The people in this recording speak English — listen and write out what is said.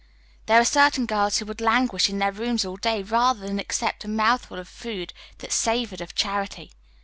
There are certain girls who would languish in their rooms all day, rather than accept a mouthful of food that savored of charity.